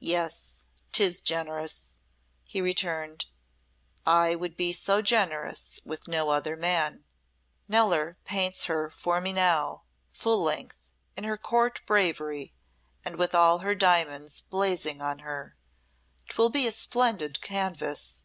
"Yes, 'tis generous," he returned. "I would be so generous with no other man. Kneller paints her for me now, full length, in her Court bravery and with all her diamonds blazing on her. 'Twill be a splendid canvas.